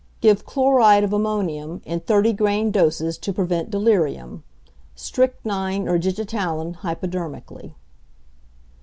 Give chloride of ammonium in 30 grain doses to prevent delirium; strychnine or digitalin hypodermically.